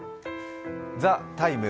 「ＴＨＥＴＩＭＥ，」